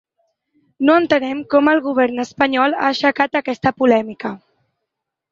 No entenem com el govern espanyol ha aixecat aquesta polèmica.